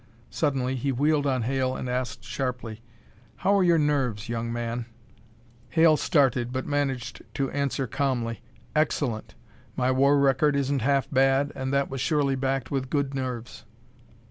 Suddenly he wheeled on Hale and asked sharply, "How are your nerves, young man?" Hale started, but managed to answer calmly. "Excellent. My war record isn't half bad, and that was surely backed with good nerves."